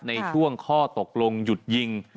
ในช่วงข้อตกลงหยุดยิง